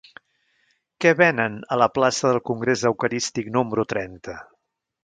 Què venen a la plaça del Congrés Eucarístic número trenta?